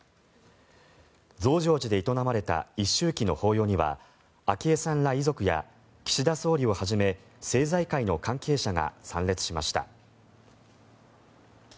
増上寺で営まれた一周忌の法要には昭恵さんら遺族や岸田総理をはじめ政財界の関係者が参列しました。